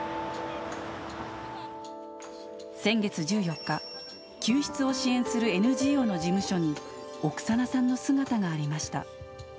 先月１４日、救出を支援するＮＧＯの事務所に、オクサナさんの姿がありました。